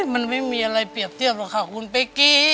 มันไม่มีอะไรเปรียบเทียบหรอกค่ะคุณเป๊กกี้